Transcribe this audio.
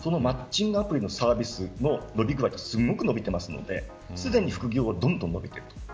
そのマッチングアプリのサービスはすごく伸びているので、すでに副業がどんどん伸びている。